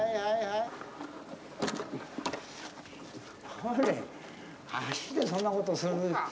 ほれ、脚でそんなことするな。